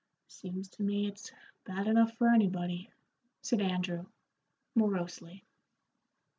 "Seems to me it's bad enough for anybody," said Andrew, morosely.